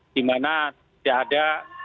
dimana tidak ada